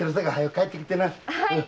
はい。